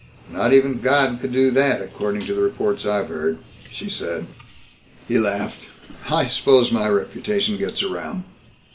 "Not even God could do that, according to the reports I've heard," she said. He laughed. "I suppose my reputation gets around."